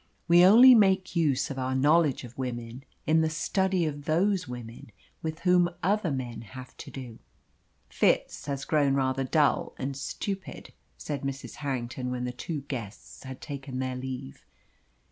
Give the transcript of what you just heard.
We only make use of our knowledge of women in the study of those women with whom other men have to do. "Fitz has grown rather dull and stupid," said Mrs. Harrington, when the two guests had taken their leave.